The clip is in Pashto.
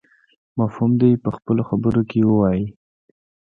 مفهوم دې په خپلو خبرو کې ووایي.